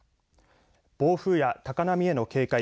暴風や高波への警戒